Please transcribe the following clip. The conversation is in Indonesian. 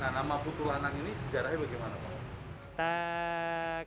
nah nama putulanang ini sejarahnya bagaimana pak